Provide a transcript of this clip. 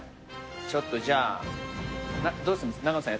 ちょっとじゃあどうします？